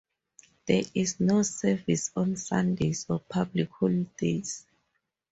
There is no service on Sundays or public holidays.